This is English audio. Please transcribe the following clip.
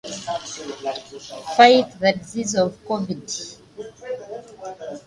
Devlin played in both games for Scotland against Russia and San Marino.